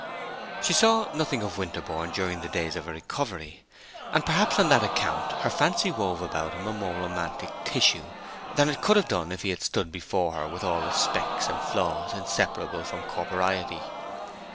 She saw nothing of Winterborne during the days of her recovery; and perhaps on that account her fancy wove about him a more romantic tissue than it could have done if he had stood before her with all the specks and flaws inseparable from corporeity.